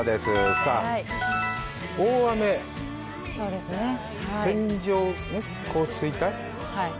さあ、大雨、線状降水帯？